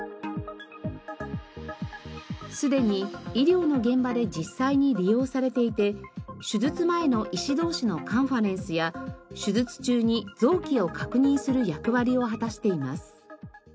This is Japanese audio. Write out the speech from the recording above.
すでに医療の現場で実際に利用されていて手術前の医師同士のカンファレンスや手術中に臓器を確認する役割を果たしています。